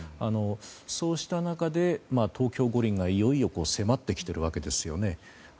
そうした中で、東京五輪がいよいよ迫ってきているわけですよね。